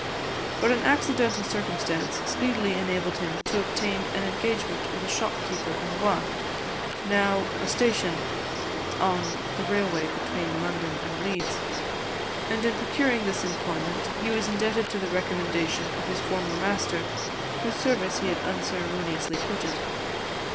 But an accidental circumstance speedily enabled him to obtain an engagement with a shopkeeper in Wath, now a station on the railway between London and Leeds; and in procuring this employment, he was indebted to the recommendation of his former master, whose service he had unceremoniously quitted.